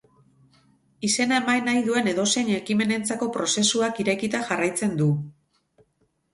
Izena eman nahi duen edozein ekimenentzako prozesuak irekita jarraitzen du.